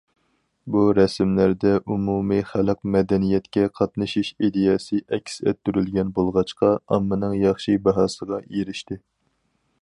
بۇ رەسىملەردە ئومۇمىي خەلق مەدەنىيەتكە قاتنىشىش ئىدىيەسى ئەكس ئەتتۈرۈلگەن بولغاچقا، ئاممىنىڭ ياخشى باھاسىغا ئېرىشتى.